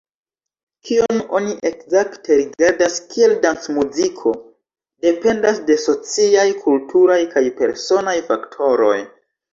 Kion oni ekzakte rigardas kiel dancmuziko, dependas de sociaj, kulturaj kaj personaj faktoroj.